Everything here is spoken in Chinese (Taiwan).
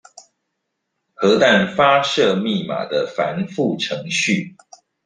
核彈發射密碼的繁複程序